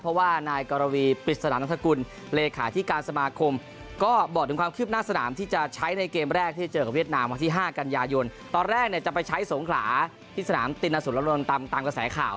เพราะว่านายกรวีปริศนานัฐกุลเลขาที่การสมาคมก็บอกถึงความคืบหน้าสนามที่จะใช้ในเกมแรกที่จะเจอกับเวียดนามวันที่๕กันยายนตอนแรกเนี่ยจะไปใช้สงขลาที่สนามตินสุรนตามกระแสข่าว